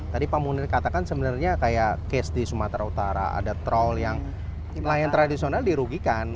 tadi pak munir katakan sebenarnya kayak case di sumatera utara ada troll yang nelayan tradisional dirugikan